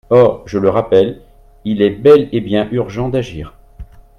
Or, je le rappelle, il est bel et bien urgent d’agir.